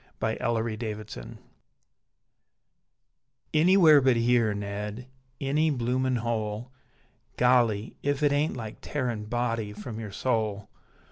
Anywhere but Here Anywhere but here, Ned, Any bloomin hole, Golly! if it aint like tearin Body from yer soul!